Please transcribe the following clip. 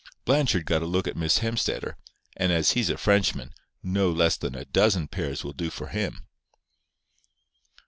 Blanchard got a look at Miss Hemstetter; and as he's a Frenchman, no less than a dozen pairs will do for him."